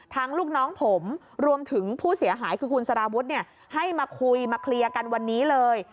ลูกน้องผมรวมถึงผู้เสียหายคือคุณสารวุฒิให้มาคุยมาเคลียร์กันวันนี้เลย